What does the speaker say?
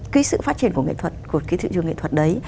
cái sự phát triển của nghệ thuật của cái thị trường nghệ thuật đấy